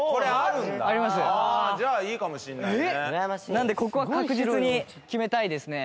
なのでここは確実に決めたいですね。